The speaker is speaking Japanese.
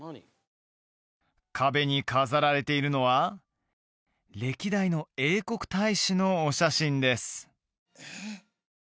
壁に飾られているのは歴代の英国大使のお写真です